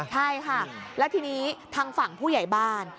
ใช่ค่ะแล้วทีนี้ทางฝั่งผู้ใหญ่บ้าน